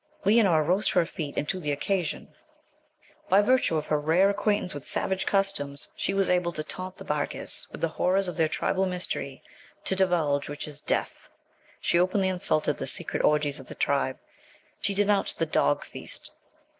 Leonora rose to her feet, and to the occasion. By virtue of her rare acquaintance with savage customs, she was able to taunt the Barghîz with the horrors of their tribal mystery, to divulge which is Death! She openly insulted the secret orgies of the tribe. _She denounced the Dog Feast!